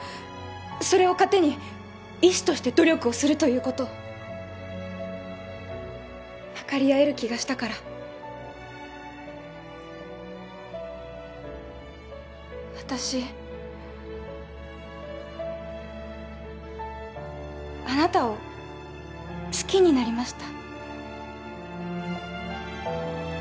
それを糧に医師として努力をするということわかりあえる気がしたから私あなたを好きになりました